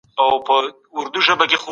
زموږ یووالی زموږ قدرت دی.